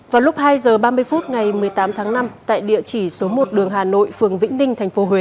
vào lúc hai h ba mươi phút ngày một mươi tám tháng năm tại địa chỉ số một đường hà nội phường vĩnh ninh tp huế